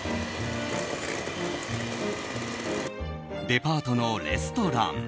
デパートのレストラン。